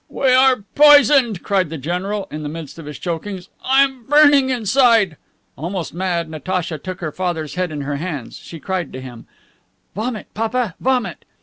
"We are poisoned," cried the general, in the midst of his chokings. "I am burning inside." Almost mad, Natacha took her father's head in her hands. She cried to him: "Vomit, papa; vomit!"